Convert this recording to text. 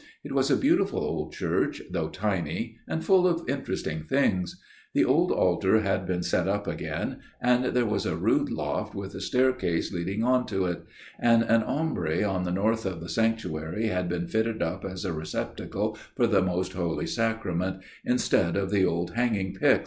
It was a beautiful old church, though tiny, and full of interesting things: the old altar had been set up again; there was a rood loft with a staircase leading on to it; and an awmbry on the north of the sanctuary had been fitted up as a receptacle for the Most Holy Sacrament, instead of the old hanging pyx.